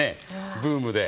ブームで。